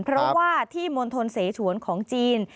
เพราะว่าที่มณฑลเสฉวนของจีน